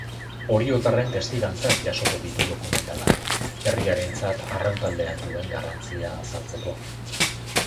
Oriotarren testigantzak jasoko ditu dokumentalak, herriarentzat arraun taldeak duen garrantzia azaltzeko.